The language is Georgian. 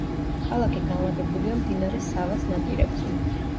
ქალაქი განლაგებულია მდინარე სავას ნაპირებზე.